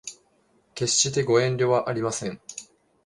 決してご遠慮はありません